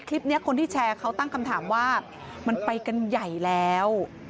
คลิปนี้คนที่แชร์เขาตั้งคำถามว่ามันไปกันใหญ่แล้ว